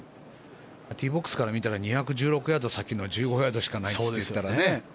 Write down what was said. ティーボックスから見たら２１６ヤード先の１５ヤードしかないですって言ったらね。